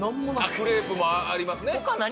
クレープもありますね。